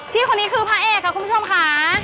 พี่คนนี้คือพระเอกค่ะคุณผู้ชมค่ะ